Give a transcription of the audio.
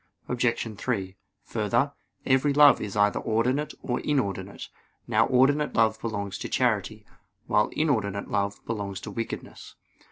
Obj. 3: Further, every love is either ordinate or inordinate. Now ordinate love belongs to charity; while inordinate love belongs to wickedness.